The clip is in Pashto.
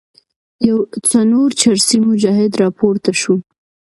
یو څڼور چرسي مجاهد راپورته شو.